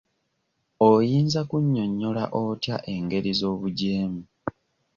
Oyinza kunnyonnyola otya engeri z'obuggyeemu?